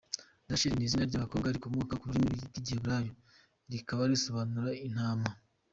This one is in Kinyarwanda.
Rachel ni izina ry’abakobwa rikomoka ku rurimi rw’Igiheburayi rikaba risobanura “Intama”.